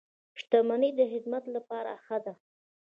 • شتمني د خدمت لپاره ښه ده.